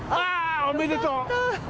おめでとう。